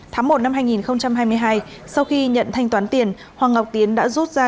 tháng một năm hai nghìn hai mươi hai sau khi nhận thanh toán tiền hoàng ngọc tiến đã rút ra